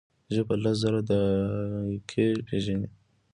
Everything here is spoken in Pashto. ژبه لس زره ذایقې پېژني.